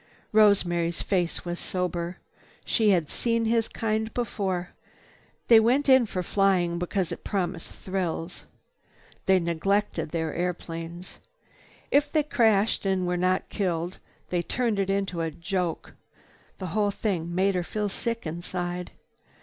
Rosemary's face was sober. She had seen his kind before. They went in for flying because it promised thrills. They neglected their planes. If they crashed and were not killed, they turned it into a joke. The whole thing made her feel sick inside.